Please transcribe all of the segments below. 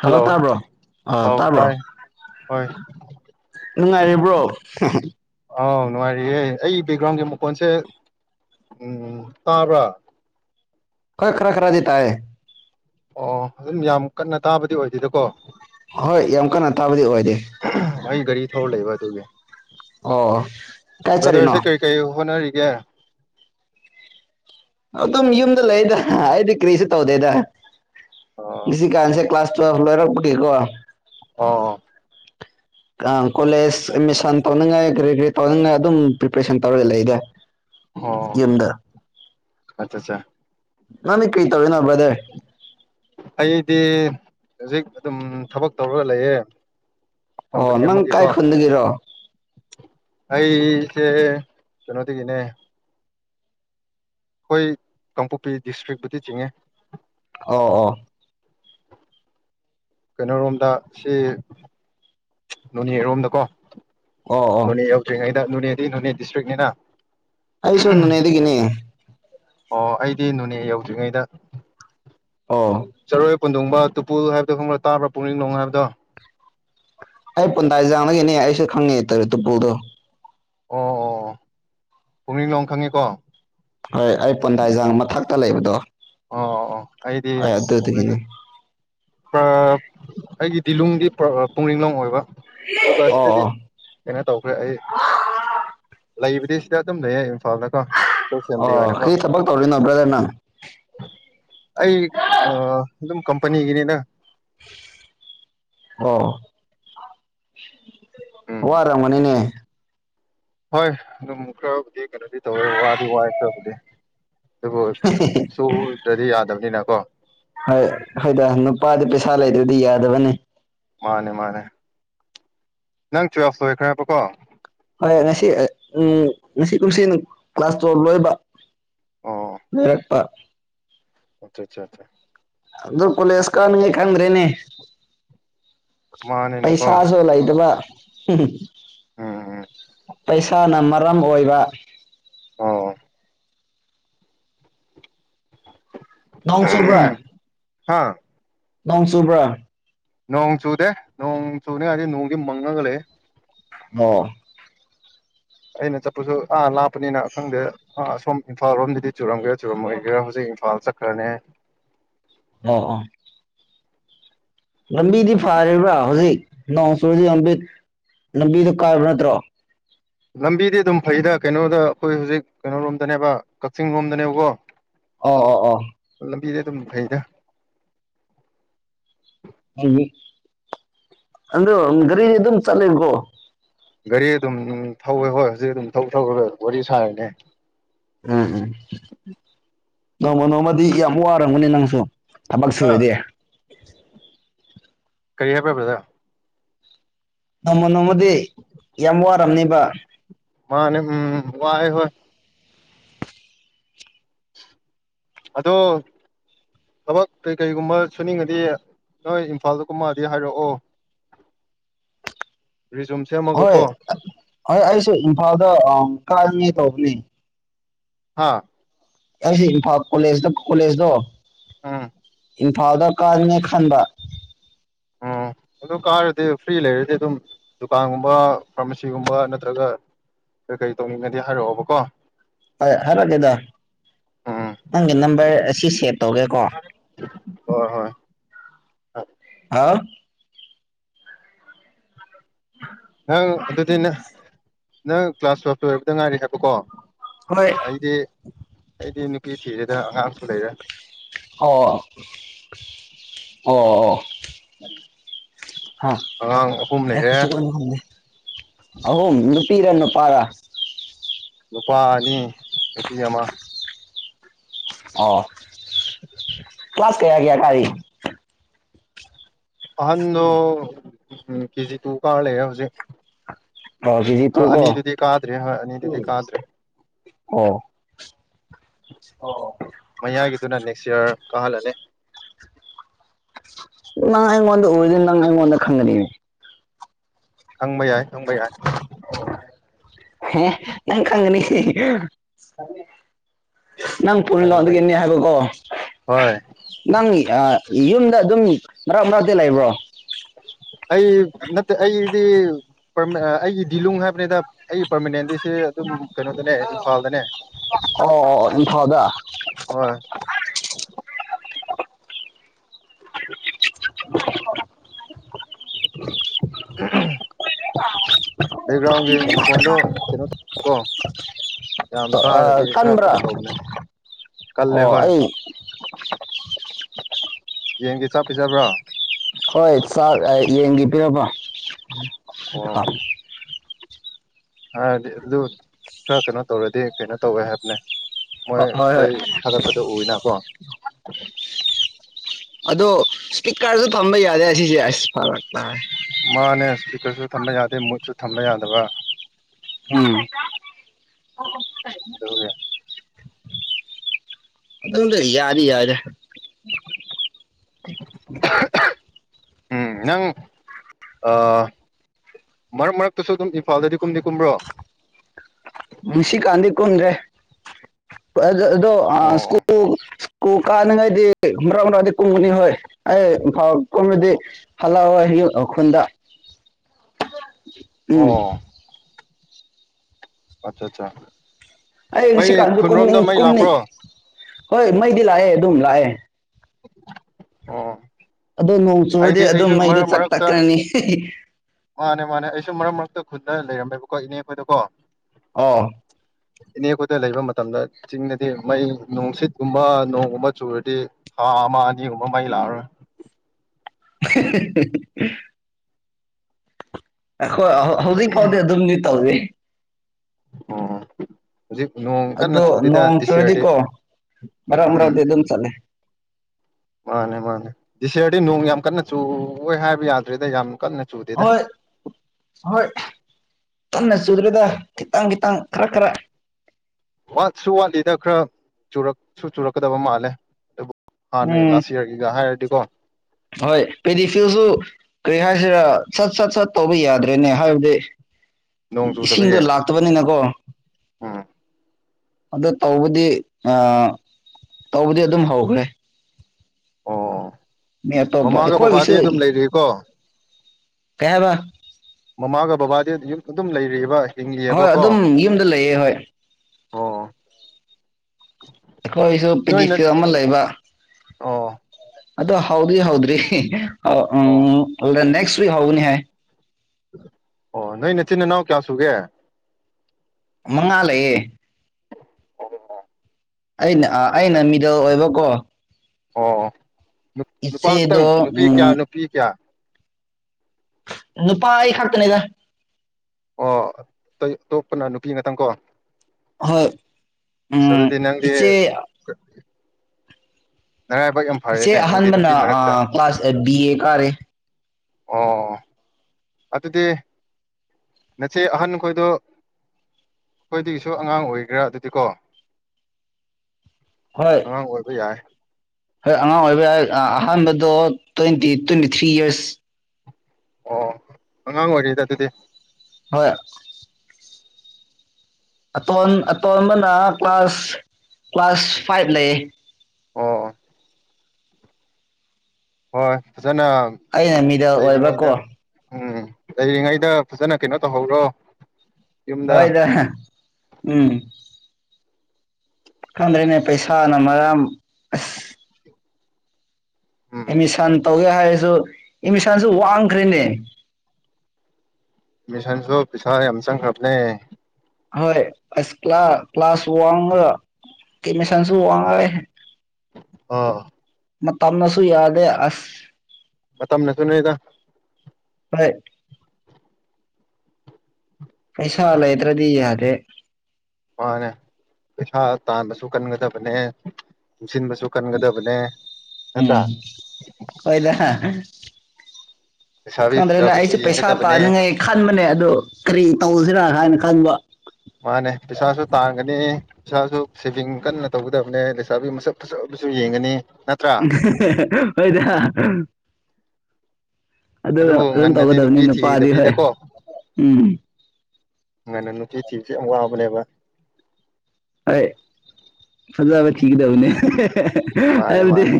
Hello ꯇꯥꯕ꯭ꯔꯣ ꯑ ꯑꯥꯎ ꯇꯥꯕ꯭ꯔꯣ ꯇꯥꯏ ꯍꯣꯏ ꯅꯨꯡꯉꯥꯏꯔꯤꯕ꯭ꯔꯣ ꯑꯥꯎ ꯅꯨꯡꯉꯥꯏꯔꯤꯌꯦ ꯑꯩ ꯕꯦꯛꯒ꯭ꯔꯥꯎꯟꯒꯤ ꯃꯈꯣꯟꯁꯦ ꯎꯝ ꯇꯥꯕ꯭ꯔꯥ ꯈꯔ ꯈꯔ ꯈꯔꯗꯤ ꯇꯥꯏ ꯑꯣ ꯑꯗꯨꯝ ꯌꯥꯝ ꯀꯟꯅ ꯇꯥꯕꯗꯤ ꯑꯣꯏꯗꯦꯗꯀꯣ ꯍꯣꯏ ꯌꯥꯝ ꯀꯟꯅ ꯇꯥꯕꯗꯤ ꯑꯣꯏꯗꯦ ꯑꯩ ꯒꯥꯔꯤ ꯊꯧꯔ ꯂꯩꯕ ꯑꯗꯨꯒꯤ ꯑꯣ ꯀꯥꯏ ꯆꯠꯔꯤꯅꯣ ꯕ꯭ꯔꯗꯔꯁꯦ ꯀꯔꯤ ꯀꯔꯤ [unintelligible] ꯑꯗꯨꯝ ꯌꯨꯝꯗ ꯂꯩꯗ ꯑꯩꯗꯤ ꯀ꯭ꯔꯤꯁꯨ ꯇꯧꯗꯦꯗ ꯑꯣ ꯍꯧꯖꯤꯛ ꯀꯥꯟꯁꯦ ꯀ꯭ꯂꯥꯁ ꯆꯥꯛ ꯂꯣꯏꯔꯛꯄꯒꯤꯀꯣ ꯑꯣ ꯑꯥꯡ ꯀꯣꯂꯦꯖ ꯑꯆꯥ ꯑꯦꯗꯃꯤꯁꯟ ꯇꯧꯅꯤꯡꯉꯥꯏ ꯀ꯭ꯔꯤ-ꯀ꯭ꯔꯤ ꯇꯧꯅꯤꯡꯉꯥꯏ ꯑꯗꯨꯝ ꯄ꯭ꯔꯤꯄꯦꯔꯦꯁꯟ ꯇꯧꯔꯒ ꯂꯩꯗ ꯑꯣ ꯌꯨꯝꯗ ꯑꯆꯥ ꯆꯥ ꯅꯪꯗꯤ ꯀꯔꯤ ꯇꯧꯔꯤꯅꯣ꯫ ꯕ꯭ꯔꯗꯔ ꯑꯩꯗꯤ ꯍꯧꯖꯤꯛ ꯑꯗꯨꯝ ꯊꯕꯛ ꯇꯧꯔꯒ ꯂꯩꯌꯦ ꯑꯣ ꯀꯝꯄꯅꯤ ꯅꯪ ꯀꯥꯏ ꯑꯃꯒꯤꯀꯣ ꯈꯨꯟꯒꯦꯔꯣ ꯑꯩꯁꯦ ꯀꯩꯅꯣꯗꯒꯤꯅꯦ ꯍꯣꯏ ꯀꯥꯡꯄꯣꯛꯄꯤ ꯗꯤꯁꯇ꯭ꯔꯤꯛꯄꯨꯗꯤ ꯆꯤꯡꯉꯦ ꯑꯣ ꯑꯣ ꯀꯩꯅꯣꯔꯣꯝꯗ ꯁꯤ ꯅꯣꯅꯦ ꯑꯔꯣꯝꯗꯀꯣ ꯑꯣ ꯑꯣ ꯅꯣꯅꯦ ꯌꯥꯎꯗꯔꯤꯉꯥꯏ ꯅꯣꯅꯦ ꯅꯣꯅꯦꯗꯤ ꯅꯨꯅꯦ ꯗꯤꯁꯇ꯭ꯔꯤꯛꯅꯤꯅ ꯑꯩꯁꯨ ꯅꯣꯅꯦꯗꯒꯤꯅꯦ꯫ ꯑꯣ ꯑꯩꯗꯤ ꯅꯣꯅꯦ ꯌꯧꯗ꯭ꯔꯤꯉꯩꯗ ꯑꯣ ꯀꯨꯟꯗꯣꯡꯕ ꯇꯨꯄꯨꯜ ꯍꯥꯏꯕꯗꯣ ꯈꯪꯕ꯭ꯔꯥ ꯇꯥꯕ꯭ꯔꯥ ꯄꯨꯛꯅꯤꯡ ꯅꯨꯡ ꯍꯥꯏꯕꯗꯣ ꯑꯩ ꯄꯟꯗꯥꯁꯤ ꯌꯥꯅꯒꯅꯦ ꯑꯩꯁꯨ ꯈꯪꯉꯤ ꯇꯨꯄꯨꯗꯣ ꯑꯣ ꯑꯣ ꯄꯨꯛꯅꯤꯡ ꯂꯣ ꯈꯪꯉꯤꯀꯣ ꯍꯣꯏ ꯑꯩ ꯄꯣꯟꯗꯥꯏꯖꯥꯡ ꯃꯊꯛ ꯇ ꯂꯩꯕꯗꯣ ꯑꯣ ꯑꯣ ꯑꯩꯗꯤ ꯍꯣꯏ ꯄꯨꯛꯅꯤꯡ ꯑꯗꯨꯗꯒꯤꯅꯤ ꯄ ꯑꯩꯒꯤ ꯇꯤꯂꯣꯡꯒꯤ ꯄꯔ ꯑ ꯄꯨꯨꯡꯅꯤꯡꯡꯂꯣꯡ ꯑꯣꯏꯕ꯫ ꯑꯗꯨꯒ ꯁꯤꯗꯗꯤ ꯑꯣ ꯀꯩꯅꯣ ꯇꯧꯈ꯭ꯔꯦ ꯑꯩ ꯂꯩꯕꯗꯤ ꯁꯤꯗ ꯑꯗꯨꯝ ꯂꯩꯌꯦ ꯏꯝꯐꯥꯜꯗꯀꯣ ꯑꯩꯈꯣꯏ ꯐꯦꯃꯤꯂꯤ ꯑꯣ ꯑꯣꯏꯅꯀꯣ ꯀꯔꯤ ꯊꯕꯛ ꯇꯧꯔꯤꯅꯣ ꯕ꯭ꯔꯗꯔ ꯅꯪ꯫ ꯑꯩ ꯑꯗꯨꯝ ꯀꯝꯄꯅꯤꯒꯤꯅꯤꯗ ꯑꯣ ꯎꯝ ꯋꯥꯔꯝꯒꯅꯤꯅꯦ꯫ ꯍꯣꯏ ꯑꯗꯨꯝ ꯈꯔ ꯀꯩꯅꯣꯗꯤ ꯇꯧꯋꯦ ꯋꯥꯗꯤ ꯋꯥꯑꯦ ꯈꯔꯕꯨꯗꯤ ꯑꯗꯨꯕꯨ ꯁꯨꯗ꯭ꯔꯗꯤ ꯌꯥꯗꯕꯅꯤꯅ ꯑꯣ ꯍꯣꯏ ꯍꫭꯏꯗ ꯅꯨꯄꯥꯗꯤ ꯄꯩꯁꯥ ꯂꯩꯗ꯭ꯔꯗꯤ ꯌꯥꯗꯕꯅꯤ꯫ ꯃꯥꯅꯦ ꯃꯥꯅꯦ ꯅꯪ ꯇꯨꯋꯦꯜꯐ ꯂꯣꯏꯈ꯭ꯔꯦꯕꯀꯣ ꯍꯣꯏ ꯉꯁꯤ ꯎꯝ ꯉꯁꯤ ꯀꯨꯝꯁꯤꯅ ꯀ꯭ꯂꯥꯁ ꯇꯨꯌꯦꯞ ꯂꯣꯏꯕ ꯑꯣ ꯍꯔꯄꯥ ꯑꯆꯥ ꯑꯆꯥ ꯑꯗꯨꯀꯨꯜꯦ ꯏꯁꯀꯥꯅꯤ ꯆꯪꯗ꯭ꯔꯦꯅꯦ ꯃꯥꯅꯤꯅꯦꯀꯣ ꯄꯩꯁꯥꯁꯨ ꯂꯩꯗꯕ ꯎꯝ ꯎꯝ ꯄꯩꯁꯥꯅ ꯃꯔꯝ ꯑꯣꯏꯕ ꯑꯣ ꯅꯪꯁꯜꯕ꯭ꯔꯥ ꯍꯥ ꯅꯣꯡ ꯆꯨꯕ꯭ꯔꯥ ꯅꯣꯡ ꯆꯨꯗꯦ ꯅꯣꯡ ꯆꯨꯅꯦ ꯍꯥꯏꯗꯤ ꯅꯣꯡꯒꯤ ꯃꯉꯒꯦ ꯑꯣ ꯑꯩꯅ ꯆꯠꯄꯁꯨ ꯑꯥ ꯂꯥꯞꯄꯅꯤꯅ ꯈꯪꯗꯦ ꯑꯥ ꯁꯣꯝ ꯏꯝꯐꯥꯜ ꯔꯣꯝꯗꯗꯤ ꯆꯨꯔꯝꯒꯦꯔꯥ ꯆꯨꯔꯝ ꯑꯣꯏꯒꯦꯔꯥ ꯍꯧꯖꯤꯛ ꯏꯝꯐꯥꯜ ꯆꯠꯈ꯭ꯔꯅꯦ ꯑ ꯑ ꯂꯝꯕꯤꯗꯤ ꯐꯥꯔꯤꯕ꯭ꯔꯥ ꯍꯧꯖꯤꯛ ꯅꯣꯡ ꯁꯣ ꯂꯝꯕꯤꯗ ꯀꯥꯔꯕ ꯅꯠꯇ꯭ꯔꯣ ꯂꯝꯕꯤꯗꯤ ꯑꯗꯨꯝ ꯐꯩꯗ ꯀꯩꯅꯣꯗ ꯑꯩꯈꯣꯏ ꯍꯧꯖꯤꯛ ꯀꯩꯅꯣ ꯂꯣꯝꯗꯅꯦꯕ ꯀꯛꯆꯤꯡ ꯂꯣꯝꯗꯅꯦꯕꯀꯣ ꯑꯣ ꯑꯣ ꯑꯣ ꯂꯝꯕꯤꯗꯦ ꯑꯗꯨ ꯐꯩꯗ ꯑꯗꯣ ꯒꯥꯔꯤꯗꯤ ꯑꯗꯨꯝ ꯆꯠꯂꯦꯀꯣ ꯒꯥꯔꯤ ꯑꯗꯨꯝ ꯊꯧꯋꯦ ꯍꯣꯏ ꯍꯧꯖꯤꯛ ꯑꯗꯨꯝ ꯊꯧ ꯊꯧꯈ ꯋꯥꯔꯤ ꯁꯥꯔꯤꯅꯦ ꯎꯝ ꯎꯝ ꯅꯣꯡꯃ ꯅꯣꯡꯃꯗꯤ ꯌꯥꯝ ꯋꯥꯔꯝꯒꯅꯤ ꯅꯪꯁꯨ ꯊꯕꯛ ꯁꯨꯨꯔꯗꯤ ꯀꯔꯤ ꯍꯥꯏꯔ ꯄꯦꯕ꯭ꯔꯗꯥ ꯅꯣꯡꯃ ꯅꯣꯡꯃꯗꯤ ꯌꯥꯝ ꯋꯥꯝꯅꯦꯕ ꯃꯥꯅꯦ ꯎꯝ [unintelligible] ꯑꯗꯣ ꯊꯕꯛ ꯀꯩꯀꯩꯒꯨꯝꯕ ꯁꯨꯅꯤꯡꯉꯗꯤ ꯅꯣꯏ ꯏꯝꯐꯥꯜꯗꯒꯨꯝꯃꯛꯗꯤ ꯍꯥꯏꯔꯛꯑꯣ ꯔꯤꯖꯨꯝ ꯁꯦꯝꯃꯒ ꯀꯣ ꯁꯤ ꯏꯝꯐꯥꯜꯗ ꯀꯥꯉꯩ ꯇꯧꯕꯅꯦ ꯍꯥꯥ ꯑꯩꯁ ꯏꯝꯐꯥꯜ ꯀꯣꯂꯦꯖ ꯀꯣꯂꯦꯖꯗꯣ ꯑꯥ ꯏꯝꯐꯥꯜꯗ ꯀꯥꯟꯅꯦ ꯈꯟꯕ ꯎ ꯑꯗꯨ ꯀꯥꯔꯗꯤ ꯐ꯭ꯔꯤ ꯂꯩꯔꯗꯤ ꯑꯗꯨꯝ ꯗꯨꯀꯥꯟꯒꯨꯝꯕ ꯐꯥꯔꯃꯥꯁꯤꯒꯨꯝꯕ ꯅꯠꯇ꯭ꯔꯒ ꯀꯩ ꯀꯩ ꯇꯧꯅꯤꯡꯉꯗꯤ ꯍꯥꯏꯔꯛꯑꯣꯕꯀꯣ ꯍ ꯍꯥꯏꯔꯛꯒꯦꯗ ꯎꯝ ꯅꯪꯒꯤ ꯅꯝꯕꯔ ꯑꯁꯤ ꯁꯦꯚ ꯇꯧꯒꯦꯀꯣ ꯑ ꯍꯥ ꯍꯥꯎ ꯑꯗꯨꯗꯤꯅ ꯅꯪ ꯀ꯭ꯂꯥꯁ ꯇꯨꯌꯦꯜꯞꯇ ꯂꯣꯏꯔꯕꯗ ꯉꯥꯏꯔꯦ ꯍꯥꯏꯕꯀꯣ ꯍꯣꯏ ꯑꯩꯗꯤ ꯑꯩꯗꯤ ꯅꯨꯄꯤ ꯊꯤꯔꯦꯗ ꯑꯉꯥꯡꯁꯨ ꯂꯩꯔꯦ ꯑꯣ ꯑꯣ ꯑꯣ ꯍꯥꯥ ꯑꯉꯥꯡ ꯑꯍꯨꯝ ꯂꯩꯔꯦ ꯑꯦꯇꯅꯦ ꯑꯍꯨꯝ ꯅꯨꯄꯤꯔ ꯅꯨꯄꯥꯔ ꯅꯨꯄꯥ ꯑꯅꯤ ꯅꯨꯄꯤ ꯑꯃ ꯑꯣ ꯀ꯭ꯂ꯭ꯂꯥꯁ ꯀꯌꯥ ꯀꯌꯥ ꯀꯥꯔꯤ ꯑꯍꯟꯗꯨ ꯎꯝ ꯀꯦꯖꯤ ꯇꯨꯀꯥꯔ ꯂꯩꯔꯦ ꯍꯧꯖꯤꯛ ꯍꯥꯎ ꯁꯤꯖꯤ ꯇꯤꯀꯣ ꯑꯅꯤꯗꯨꯗꯤ ꯀꯥꯗ꯭ꯔꯦ ꯍꯣꯏ ꯑꯅꯤꯗꯨꯗꯤ ꯀꯥꯗ꯭ꯔꯦ ꯑꯣ ꯑꯣ ꯃꯌꯥꯏꯒꯤꯗꯨꯅ ꯅꯦꯛꯁ ꯌꯤꯔ ꯀꯍꯜꯂꯅꯦ ꯅꯪ ꯑꯩꯉꯣꯟꯗ ꯑꯣꯏꯗ ꯅꯪ ꯑꯩꯉꯣꯟꯗ ꯈꯡꯍꯜꯂꯤꯅꯦ ꯈꯪꯕ ꯌꯥꯏ ꯈꯡꯕ ꯌꯥꯏ ꯍꯦ ꯅꯪ ꯈꯪꯒꯅꯤ ꯅꯪ ꯄꯨꯟꯂꯣ ꯈꯪꯕ ꯌꯥꯏ ꯑꯗꯨꯒꯅꯦ ꯍꯥꯏꯔꯛꯑꯣꯀꯣ ꯍꯣꯏ ꯅꯪ ꯌꯨꯝꯗ ꯑꯗꯨꯝ ꯃꯔꯛ ꯃꯔꯛꯇ ꯂꯩꯕ꯭ꯔꯣ ꯑꯩ ꯅꯠꯇꯦ ꯑꯩꯗꯤ ꯑꯩꯒꯤ ꯗꯤꯂꯣꯡ ꯍꯥꯏꯕꯅꯤꯗ ꯑꯩꯒꯤ ꯄꯔꯃꯅꯦꯟꯗꯤꯁꯤ ꯑꯗꯨꯝ ꯀꯩꯅꯣꯗꯅꯦ ꯏꯝꯐꯥꯜꯗꯅꯦ ꯑꯣ ꯑꯣ ꯏꯝꯐꯥꯎꯜꯗ ꯍꯣꯏ [inaudible] [unintelligible] ꯕꯦꯛꯒ꯭ꯔꯥꯎꯟꯒꯤ ꯃꯈꯣꯟꯗꯣ ꯀꯩꯅꯣ ꯇꯧꯀꯣ ꯌꯥꯝ ꯇꯥꯔꯗꯤ ꯈꯔ ꯀꯟꯕ꯭ꯔꯥ ꯀꯩꯅꯣ ꯇꯧꯕꯅꯦ ꯀꯜꯂꯦ ꯑꯣ ꯍꯣꯏ ꯑꯩ ꯌꯦꯡꯒꯦ ꯆꯞ ꯄꯤꯖꯕ꯭ꯔꯥ ꯍꯣꯏ ꯆꯥꯛ ꯌꯦꯡꯒꯤꯄꯤꯔꯕ ꯀꯝ [inaudible] [unintelligible] ꯍꯥꯏꯗꯤ ꯑꯗꯨ ꯈꯔ ꯀꯩꯅꯣ ꯇꯧꯔꯗꯤ ꯀꯩꯅꯣ ꯇꯧꯋꯦ ꯍꯥꯏꯕꯅꯦ ꯃꯣꯏ ꯍꯣꯏ ꯍꯣꯏ ꯑꯩꯈꯣꯏ ꯊꯥꯒꯠꯄꯗ ꯎꯏꯅꯀꯣ [inaudible] [unintelligible] ꯑꯗꯣ ꯏꯁꯄꯤꯀꯔꯁꯨ ꯊꯝꯕ ꯌꯥꯗꯦ ꯑꯁꯤꯁꯦ ꯑꯁ ꯐꯔꯛ ꯇꯔꯦ ꯃꯥꯅꯦ ꯏꯁꯄꯤꯀꯔꯁꯨ ꯊꯝꯕ ꯌꯥꯗꯦ ꯃꯨꯠꯁꯨ ꯊꯝꯕ ꯌꯥꯗꯕ ꯎꯝ ꯗꯦ ꯑꯗꯨꯝ ꯌꯥꯗꯤ ꯌꯥꯢꯗ ꯎꯝ ꯅꯪ ꯃꯔꯛ ꯃꯔꯛꯇꯁꯨ ꯑꯗꯨꯝ ꯏꯝꯐꯥꯜꯗꯗꯤ ꯀꯨꯝꯅꯤ ꯀꯨꯝꯕ꯭ꯔꯣ ꯉꯁꯤ ꯀꯥꯟꯗꯤ ꯀꯟ꯭ꯔꯦ ꯗ ꯑꯗꯣ ꯑꯥ ꯑꯣ ꯁ꯭ꯀꯨꯜ ꯀꯨ ꯀꯥꯅꯤꯡꯉꯥꯏꯗꯤ ꯃꯥꯔꯛ ꯃꯔꯛꯇꯤ ꯀꯨꯝꯒꯅꯤ ꯍꯣꯏ ꯑꯩ ꯏꯝꯐꯥꯜ ꯀꯨꯃꯗꯤ ꯑꯣ ꯍꯂꯑꯣꯏ ꯍꯥꯏ ꯑꯩꯈꯣꯏꯗ ꯎꯝ ꯑꯆꯥ ꯆꯥ ꯑꯩ ꯑꯁꯤ ꯀꯥꯟꯗꯥ ꯀꯨꯝꯅꯤ ꯀꯨꯝꯅꯤ ꯂꯥꯛꯄ꯭ꯔꯣ ꯍꯣꯏ ꯃꯩꯗꯤ ꯂꯥꯛꯑꯦ ꯑꯗꯨꯝ ꯂꯥꯛꯑꯦ ꯑꯣ ꯑꯗꯨ ꯅꯣꯡ ꯆꯨꯔꯗꯤ ꯑꯩꯗꯤ ꯑꯗꯨꯝ ꯑꯩꯁꯨ ꯃꯩꯗꯣ ꯃꯔꯛ ꯆꯇ ꯃꯔꯛꯇ ꯇꯥꯠꯈ꯭ꯔꯅꯤ ꯃꯥꯅꯦ ꯃꯥꯅꯦ ꯑꯩꯁꯨ ꯃꯔꯛ ꯃꯔꯛꯇ ꯈꯨꯜꯗ ꯂꯩꯔꯝꯃꯦꯕꯀꯣ ꯏꯅꯦ ꯑꯩꯈꯣꯏꯗꯀꯣ ꯑꯣ ꯏꯅꯦ ꯑꯩꯈꯣꯏꯗ ꯂꯩꯕ ꯃꯇꯝꯗ ꯆꯤꯡꯗꯗꯤ ꯃꯩ ꯅꯨꯡꯁꯤꯠꯀꯨꯝꯕ ꯅꯣꯡꯒꯨꯝꯕ ꯆꯨꯔꯗꯤ ꯊꯥ ꯑꯃ ꯑꯅꯤꯒꯨꯝꯕ ꯃꯩ ꯂꯥꯛꯑꯔꯣꯏ [unintelligible] ꯑꯩꯈꯣꯏ ꯍꯧꯖꯤꯛ ꯐꯥꯎꯗꯤ ꯑꯗꯨꯝꯗꯤ ꯇꯧꯗꯦ [inaudible] ꯑꯣ ꯍꯧꯖꯤꯛ ꯅꯣꯡ ꯀꯟꯅ ꯑꯗꯣ ꯆꯨꯗꯦꯗ ꯅꯣꯡ ꯗꯤꯁ ꯌꯔꯗꯤ ꯆꯨꯔꯗꯤꯀꯣ ꯃꯔꯛ ꯎꯝ ꯃꯔꯥꯛꯗꯤ ꯑꯗꯨꯝ ꯆꯠꯂꯦ ꯃꯥꯅꯦ ꯃꯥꯅꯦ ꯗꯤꯁ ꯌꯔꯗꯤ ꯅꯣꯡ ꯌꯥꯝ ꯀꯟꯅ ꯆꯨꯋꯦ ꯍꯥꯏꯕ ꯌꯥꯗ꯭ꯔꯦꯗ ꯌꯥꯝ ꯀꯟꯅ ꯆꯨꯗꯦꯗ ꯍꯣꯏ ꯍꯣꯏ ꯀꯟꯅ ꯆꯨꯗ꯭ꯔꯦꯗ ꯈꯤꯇꯪ ꯈꯤꯇꯪ ꯈꯔ ꯈꯔ ꯋꯥꯠ ꯁꯨ ꯋꯥꯠꯂꯤꯗ ꯈꯔ ꯆꯨꯔꯛꯁꯨ ꯆꯨꯔꯛꯀꯗꯕ ꯃꯥꯜꯂꯦ ꯃꯥꯅꯦ ꯎꯝ ꯂꯥꯁ ꯏꯌꯥꯔꯒꯤꯒ ꯍꯥꯏꯔꯗꯤꯀꯣ ꯍꯣꯏ ꯄꯦꯗꯤ ꯐꯤꯜꯁꯨ ꯀꯔꯤ ꯍꯥꯏꯁꯤꯔꯥ ꯁꯠ ꯁꯠ ꯁꯠ ꯇꯧꯕ ꯌꯥꯗ꯭ꯔꯦꯅꯦ ꯍꯥꯏꯕꯗꯤ ꯅꯣꯡ ꯏꯁꯤꯡꯗꯣ ꯆꯨꯗꯕꯒꯤ ꯂꯥꯛꯇꯕꯅꯤꯅꯀꯣ ꯎꯝ ꯑꯗꯣ ꯇꯧꯕꯗꯤ ꯇꯧꯕꯗꯤ ꯑꯗꯨꯝ ꯍꯧꯈ꯭ꯔꯦ ꯑꯣ ꯃꯤ ꯑꯇꯣꯞꯄ ꯃꯃꯥꯒ ꯕꯕꯥꯗꯤ ꯑꯩꯈꯣꯏꯒꯤꯁꯨ ꯑꯗꯨꯝ ꯂꯩꯔꯤꯀꯣ ꯀꯩ ꯍꯥꯏꯕ ꯃꯃꯥꯒ ꯕꯕꯥꯗꯤ ꯌꯨꯝ ꯑꯗꯨꯝ ꯂꯩꯔꯤꯕ ꯍꯣꯏ ꯑꯗꯨꯝ ꯌꯨꯝꯗ ꯂꯩꯌꯦ ꯍꯣꯏ ꯑꯣ ꯑꯩꯈꯣꯏꯁꯨ ꯄꯤ ꯗꯤ ꯅꯣꯏꯅ ꯐꯤꯜ ꯑꯃ ꯂꯩꯕ ꯑꯣ ꯑꯗꯣ ꯍꯥꯎꯗꯤ ꯍꯥꯎꯗ꯭ꯔꯤ ꯎꯝ ꯑꯣ ꯅꯦꯛꯁ ꯍꯧꯅꯤ ꯍꯥꯏ ꯑꯣ ꯅꯣꯏ ꯅꯆꯤꯟ ꯏꯅꯥꯎ ꯀꯌꯥ ꯁꯨꯒꯦ ꯃꯉꯥ ꯂꯩꯌꯦ ꯑꯣ ꯑꯩꯅ ꯑꯩꯅ ꯃꯤꯗꯜ ꯑꯣꯏꯕꯀꯣ ꯑꯣ ꯅꯨꯄꯥ ꯈꯇꯪ ꯏꯆꯦꯗꯣ ꯅꯨꯄꯤ ꯀꯌꯥ ꯎꯝ ꯅꯨꯄꯤ ꯀꯌꯥ ꯅꯨꯄꯥ ꯑꯩ ꯈꯥꯛꯇꯅꯦꯗ ꯑꯣ ꯑꯇꯣꯞꯄꯅ ꯅꯨꯄꯤ ꯉꯥꯛꯇꯪꯀꯣ ꯍꯣꯏ ꯎꯝ ꯑꯗꯨꯗꯤ ꯅꯪꯗꯤ ꯏꯆꯦ ꯅꯔꯥꯏꯕꯛ ꯌꯥꯝ ꯏꯆꯦ ꯐꯔꯦꯅꯦ ꯅꯪꯗꯤ ꯅꯨꯄꯤ ꯑꯍꯥꯟꯕꯅ ꯃꯔꯛꯇ ꯀ꯭ꯂꯥꯁ ꯕꯤ ꯑꯦ ꯀꯥꯔꯦ ꯑꯣ ꯑꯗꯨꯗꯤ ꯅꯆꯦ ꯑꯍꯟ ꯈꯣꯏꯗꯣ ꯑꯩꯈꯣꯏꯗꯒꯤꯁꯨ ꯑꯉꯥꯡ ꯑꯣꯏꯒꯦꯔꯥ ꯑꯗꯨꯗꯤꯀꯣ ꯍꯣꯏ ꯑꯉꯥꯡ ꯑꯣꯏꯕ ꯌꯥꯏ ꯍꯣꯏ ꯑꯉꯥꯡ ꯑꯣꯏꯕ ꯑꯍꯥꯟꯕꯗꯣ ꯇ꯭ꯋꯦꯟꯇꯤ ꯇ꯭ꯋꯦꯟꯇꯤ ꯊ꯭ꯔꯤ ꯌꯔꯁ ꯑꯣ ꯑꯉꯥꯡ ꯑꯣꯏꯔꯤꯗ ꯑꯗꯨꯗꯤ ꯍꯣꯏ ꯑꯇꯣꯟ ꯑꯇꯣꯟꯕꯅ ꯀ꯭ꯂꯥꯁ ꯀ꯭ꯂꯥꯁ ꯐꯥꯏꯚ ꯂꯩ ꯑꯣ ꯑꯣ ꯍꯣꯏ ꯐꯖꯅ ꯑꯩꯅ ꯃꯤꯗꯜ ꯑꯣꯏꯕꯀꯣ ꯂꯩꯔꯤꯉꯩꯗ ꯎꯝ ꯂꯩꯔꯤꯉꯩꯗ ꯐꯖꯅ ꯀꯩꯅꯣ ꯇꯧꯍꯧꯔꯣ ꯌꯨꯝꯗ ꯍꯣꯏꯗ ꯎꯝ ꯈꯪꯗ꯭ꯔꯦꯅꯦ ꯄꯩꯁꯥꯅ ꯃꯌꯝ ꯑꯁ ꯎꯝ ꯑꯦꯃꯤꯁꯥꯟ ꯇꯧꯒ ꯍꯥꯏꯔꯁꯨ ꯏꯃꯤꯁꯥꯟꯁꯨ ꯋꯥꯡꯈ꯭ꯔꯦꯅꯦ ꯃꯤꯁꯟꯁꯨ ꯄꯩꯁꯥ ꯌꯥꯝ ꯆꯪꯈ꯭ꯔꯕꯅꯦ ꯍꯣꯏ ꯑꯁ ꯀ꯭ꯂ ꯀ꯭ꯂꯥꯁ ꯋꯥ ꯀꯦꯃꯦꯁꯟꯁꯨ ꯋꯥ ꯑꯣ ꯃꯇꯝꯅꯁꯨ ꯌꯥꯗꯦ ꯑꯁ ꯃꯇꯝꯅꯁꯨꯨꯅꯦꯗ ꯍꯣꯏ ꯄꯩꯁꯥ ꯂꯩꯇꯔ꯭ꯗꯤ ꯌꯥꯗꯦ ꯃꯥꯅꯦ ꯄꯩꯁꯥ ꯇꯥꯟꯕꯁꯨ ꯀꯟꯒꯗꯕꯅꯦ ꯄꯨꯟꯁꯤꯟꯕꯁꯨ ꯀꯟꯒꯗꯕꯅꯦ ꯎꯝ ꯅꯠꯇ꯭ꯔꯥ ꯂꯩꯁꯥꯕꯤ ꯈꯪꯗ꯭ꯔꯦꯅꯦ ꯐꯖꯕꯁꯨ ꯑꯩꯁꯨ ꯄꯩꯁꯥ ꯌꯦꯡꯒꯗꯕꯅꯦ ꯄꯥꯅꯤꯡꯉꯥꯏ ꯈꯟꯕꯅꯦ ꯑꯗꯨ ꯀꯔꯤ ꯇꯧꯁꯤꯔꯥ ꯍꯥꯏꯅ ꯈꯟꯕ ꯏꯁꯥꯁꯨ ꯁꯦꯚꯤꯡ ꯀꯟꯅ ꯇꯧꯒꯗꯕꯅꯦ ꯂꯩꯁꯥꯕꯤꯒꯤ ꯃꯁꯛ ꯐꯖꯕꯁꯨ ꯌꯦꯡꯉꯅꯤ ꯍꯣꯏꯗ ꯑꯗꯨ ꯑꯗꯨꯕꯨ ꯑꯗꯨꯝ ꯉꯟꯅꯗꯤ ꯇꯧꯒꯗꯕꯅꯤ ꯅꯨꯄꯤ ꯅꯨꯄꯥꯗꯤ ꯍꯣꯏ ꯊꯤꯗꯕꯤꯗꯀꯣ ꯎꯝ ꯉꯟꯅ ꯅꯨꯄꯤ ꯁꯦ ꯑꯋꯥꯕꯅꯦꯕ ꯍꯣꯏ ꯐꯖꯕ ꯊꯤꯒꯗꯕꯅꯦ ꯃꯥꯅꯦ ꯍꯥꯏꯕꯗꯤ ꯃꯥꯅꯦ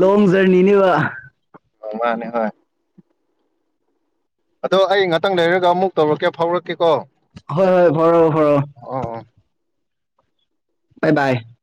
ꯂꯣꯡ ꯖꯔꯅꯤꯅꯦꯕ ꯃꯥꯅꯦ ꯍꯣꯏ ꯑꯗꯣ ꯑꯩ ꯉꯥꯇꯥꯪꯪ ꯂꯩꯔꯒ ꯑꯃꯨꯛ ꯇꯧꯔꯛꯀꯦ ꯐꯥꯎꯔꯛꯀꯦ ꯍꯣꯏ ꯍꯣꯏ ꯐꯔꯣ ꯐꯔꯣ ꯑꯣ ꯑꯣ ꯥꯕꯥꯏ ꯕꯥꯏ